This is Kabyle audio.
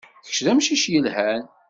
Kečč d amcic yelhan.